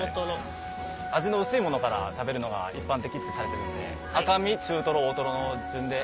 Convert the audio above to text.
味の薄いものから食べるのが一般的ってされてるので赤身中トロ大トロの順で。